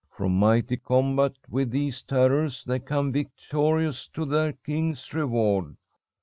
From mighty combat with these terrors they come victorious to their king's reward.